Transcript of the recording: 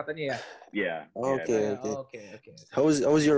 bagaimana perasaan pertama kamu saat kamu